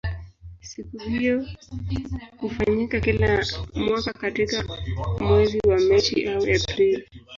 Siku hiyo hufanyika kila mwaka katika mwezi wa Machi au Aprili.